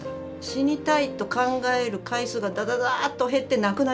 死にたいと考える回数がダダダーッと減ってなくなりました。